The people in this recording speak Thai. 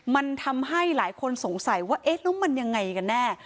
มันทำให้หลายคนสงสัยว่าเอ๊ะแล้วมันยังไงกันแน่